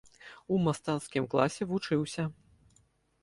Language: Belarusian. У мастацкім класе вучыўся.